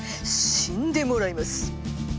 死んでもらいます！